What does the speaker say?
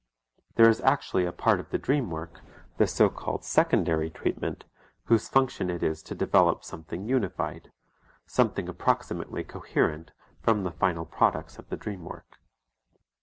There is actually a part of the dream work, the so called secondary treatment, whose function it is to develop something unified, something approximately coherent from the final products of the dream work.